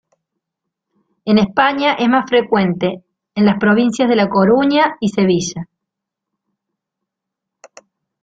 En España es más frecuente en las provincias de La Coruña y Sevilla.